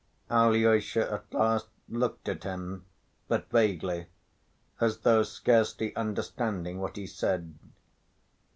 Alyosha at last looked at him, but vaguely, as though scarcely understanding what he said.